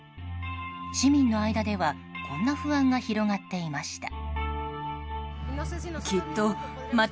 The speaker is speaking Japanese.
市民の間ではこんな不安が広がっていました。